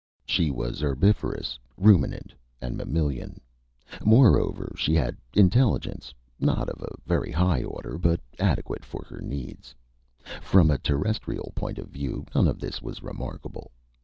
She was herbivorous, ruminant, and mammalian. Moreover, she had intelligence not of a very high order, but adequate for her needs. From a Terrestrial point of view, none of this was remarkable.